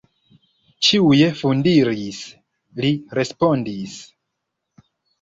Ĉiuj fundiris, li respondis.